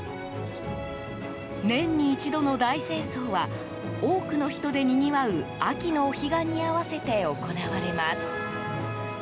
年に一度の大清掃は多くの人でにぎわう秋のお彼岸に合わせて行われます。